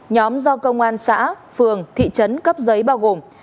nhóm do công an xã phường thị trấn cấp giấy bao gồm